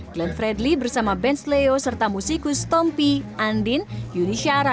glenn fredly bersama ben sleo serta musikus tom pee andin yuni syara